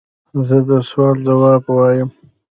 زه د سوال ځواب وایم.